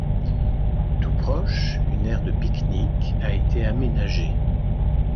Tout proche, une aire de pique-nique a été aménagée.